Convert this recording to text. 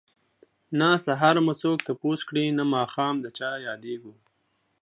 نه سهار مو څوک تپوس کړي نه ماښام د چا ياديږو